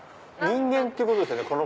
人間ってことですよね